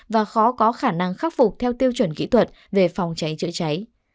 và khó có khả năng khắc phục theo tiêu chuẩn kỹ thuật về phòng cháy chữa cháy